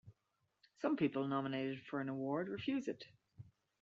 Some people nominated for an award refuse it.